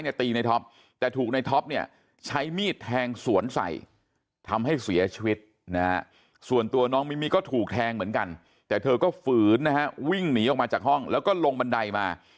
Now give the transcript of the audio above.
ตีในท็อปแต่ถูกในท็อปเนี่ยใช้มีดแทงสวนใส่ทำให้เสียชีวิตนะฮะส่วนตัวน้องมิมี่ก็ถูกแทงเหมือนกันแต่เธอก็ฝืนนะฮะวิ่งหนีออกมาจากห้องแล้วก็ลงบันไดมา